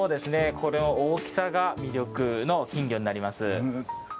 これは大きさが魅力の金魚になります。